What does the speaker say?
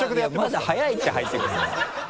まだ早いって入ってくるの。